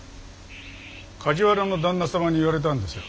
梶原の旦那様に言われたんですよ。